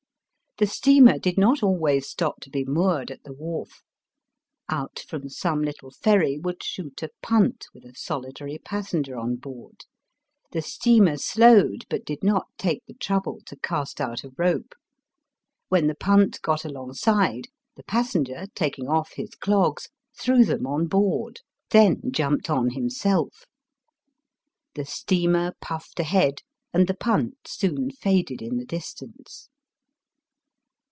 The steamer did not always stop to be moored at the wharf. Out from some little ferry would shoot a punt with a solitary passenger on board. The steamer slowed but did not take the trouble to cast out a rope. When the punt got alongside, the passenger, taking off his clogs, threw them on board, then jumped on Digitized by VjOOQIC BOABSIDB AND BIYEB. 283 himself. The steamer puffed ahead, and the punt soon faded in the distance.